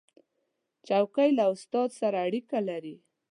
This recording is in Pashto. چوکۍ له استاد سره اړیکه لري.